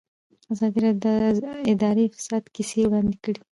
ازادي راډیو د اداري فساد کیسې وړاندې کړي.